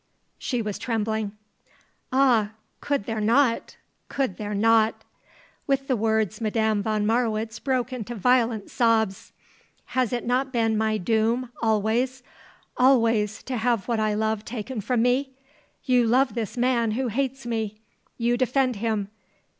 She was trembling. "Ah could there not! Could there not!" With the words Madame von Marwitz broke into violent sobs. "Has it not been my doom, always always to have what I love taken from me! You love this man who hates me! You defend him!